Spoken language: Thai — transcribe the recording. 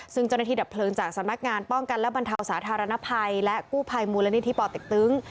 ซึ่งเจ้าหน้าที่ดับเพลิงจากสำนักงานป้องกันและบรรเทาสาธารณภัยและกู้ภัยมูลนิธิป่อเต็กตึง